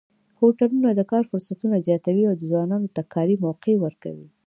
هوټلونه د کار فرصتونه زیاتوي او ځوانانو ته کاري موقع ورکوي.